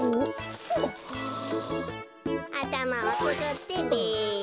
あたまをつくってべ。